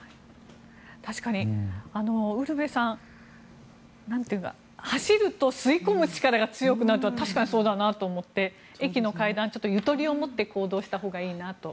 確かに、ウルヴェさん走ると吸い込む力が強くなるというのは確かにそうだなと思って駅の階段はちょっとゆとりを持って行動したほうがいいなと。